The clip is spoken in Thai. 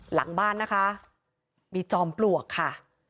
หลังบ้านนะคะมีจอมปลวกค่ะ